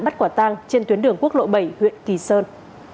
bắt quả tang trên tuyến đường quốc lộ bảy huyện kỳ sơn